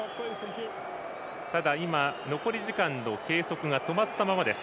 ただ今、残り時間の計測が止まったままです。